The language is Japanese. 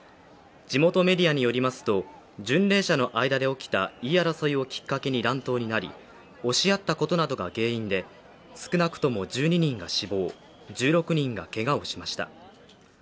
地元メディアによりますと巡礼者の間で起きた言い争いをきっかけに乱闘になり、押し合ったことなどが原因で少なくとも１２人が死亡１６人がけがをしました。